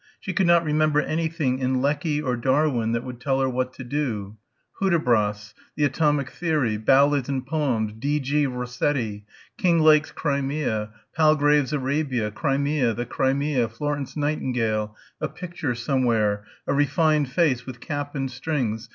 She could not remember anything in Lecky or Darwin that would tell her what to do ... Hudibras ... The Atomic Theory ... Ballads and Poems, D. G. Rossetti ... Kinglake's Crimea ... Palgrave's Arabia ... Crimea.... The Crimea.... Florence Nightingale; a picture somewhere; a refined face, with cap and strings....